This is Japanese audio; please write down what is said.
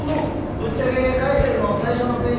ぶっちゃけ書いてるの最初のページだけです。